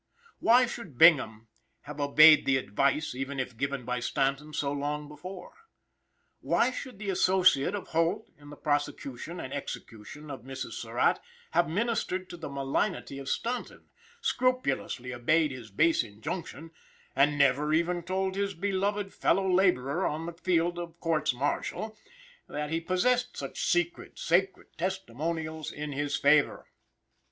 Why should Bingham have obeyed the "advice," even if given by Stanton so long before? Why should the associate of Holt, in the prosecution and execution of Mrs. Surratt, have ministered to the malignity of Stanton, scrupulously obeyed his base injunction, and never even told his beloved fellow laborer on the field of courts martial, that he possessed such secret sacred testimonials in his favor?